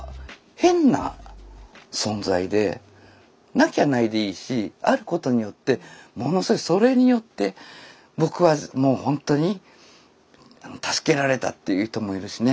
なきゃないでいいしあることによってものすごいそれによって僕はもうほんとに助けられたっていう人もいるしね。